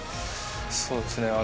そうですね。